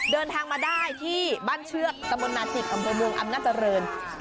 เดินทางมาได้ที่บ้านเชือกตะมนนาจิกอำเภอเมืองอำนาจริง